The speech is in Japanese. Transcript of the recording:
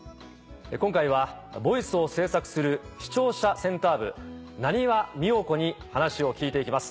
今回はＶＯＩＣＥを制作する視聴者センター部難波美緒子に話を聞いていきます。